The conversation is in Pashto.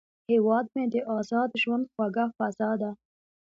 هیواد مې د ازاد ژوند خوږه فضا ده